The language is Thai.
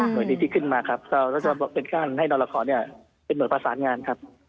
โดยนี้ที่ขึ้นมาครับเป็นการให้นรขอเนี่ยเป็นหน่วยประสานงานครับ